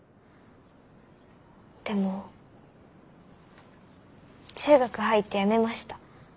でも中学入ってやめました。